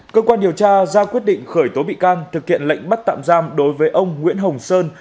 cơ quan điều tra ra quyết định khởi tố bị can thực hiện lệnh bắt tạm giam đối với ông nguyễn hồng sơn